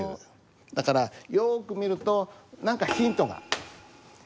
だからよく見ると何かヒントがどこかにある！